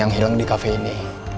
yang hilang di kafe ini